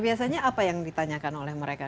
biasanya apa yang ditanyakan oleh mereka